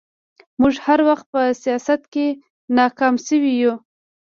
موږ هر وخت په سياست کې ناکام شوي يو